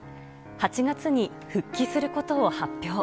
８月に復帰することを発表。